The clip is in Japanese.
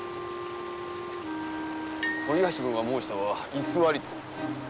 反橋殿が申したは偽りと？